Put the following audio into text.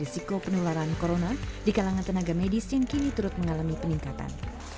risiko penularan corona di kalangan tenaga medis yang kini turut mengalami peningkatan